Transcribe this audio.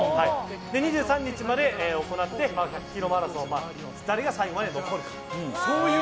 ２３日まで行って１００ｋｍマラソンに誰が最後まで残るかという。